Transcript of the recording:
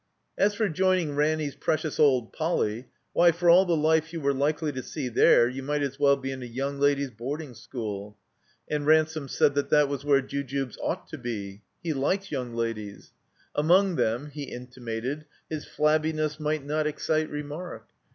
As for joining Ranny's precious old Poly., why, for all the Life you were likely to see there, you might as well be in a yotmg ladies' boarding school. And Ransome said that that was where Jujubes THE COMBINED MAZE ought to be. He liked young ladies. Among them (he intimated) his iSabbiness might not excite xe mark.